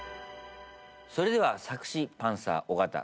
それでは作詞パンサー尾形。